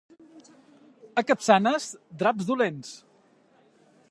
A Capçanes, draps dolents.